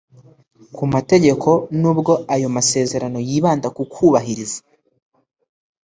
ku mategeko nubwo ayo masezerano yibanda ku kubahiriza